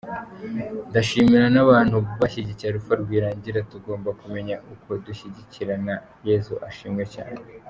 Ndashimira n’abantu bashyigikiye Alpha Rwirangira, tugomba kumenya uko dushyigikirana, Yesu ashimwe cyane.